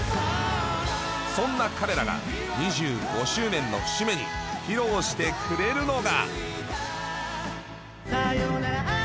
そんな彼らが２５周年の節目に披露してくれるのが。